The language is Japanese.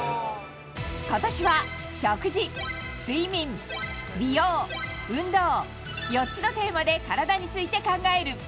ことしは食事、睡眠、美容、運動、４つのテーマでカラダについて考える。